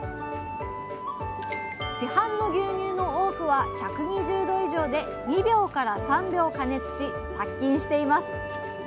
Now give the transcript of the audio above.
市販の牛乳の多くは１２０℃以上で２秒から３秒加熱し殺菌しています。